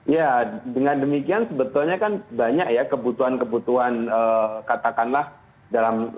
ya dengan demikian sebetulnya kan banyak ya kebutuhan kebutuhan katakanlah dalam